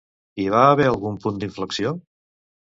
Hi va haver algun punt d'inflexió?